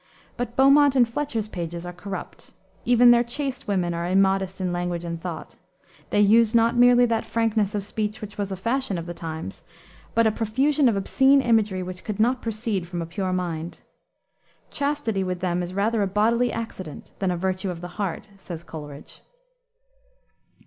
But Beaumont and Fletcher's pages are corrupt. Even their chaste women are immodest in language and thought. They use not merely that frankness of speech which was a fashion of the times, but a profusion of obscene imagery which could not proceed from a pure mind. Chastity with them is rather a bodily accident than a virtue of the heart, says Coleridge.